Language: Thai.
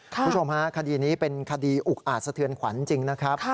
คุณผู้ชมฮะคดีนี้เป็นคดีอุกอาจสะเทือนขวัญจริงนะครับ